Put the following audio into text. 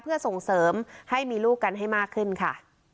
เพื่อส่งเสริมให้มีลูกกันให้มากขึ้นค่ะ